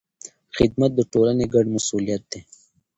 خدمت د ټولنې ګډ مسوولیت دی.